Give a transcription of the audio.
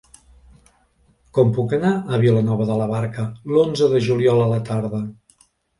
Com puc anar a Vilanova de la Barca l'onze de juliol a la tarda?